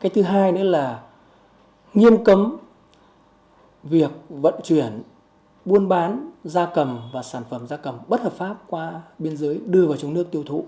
cái thứ hai nữa là nghiêm cấm việc vận chuyển buôn bán da cầm và sản phẩm da cầm bất hợp pháp qua biên giới đưa vào trong nước tiêu thụ